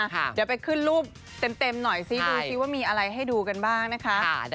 เดี๋ยวไปขึ้นรูปเต็มหน่อยซิดูซิว่ามีอะไรให้ดูกันบ้างนะคะ